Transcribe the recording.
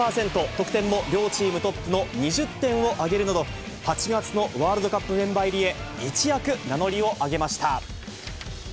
得点も両チームトップの２０点を挙げるなど、８月のワールドカップメンバー入りへ、一躍、名乗りを上げました。